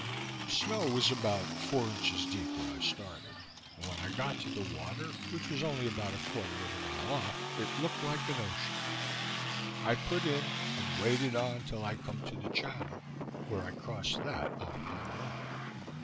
The snow was about four inches deep when I started; and when I got to the water, which was only about a quarter of a mile off, it look'd like an ocean. I put in, and waded on till I come to the channel, where I crossed that on a high log.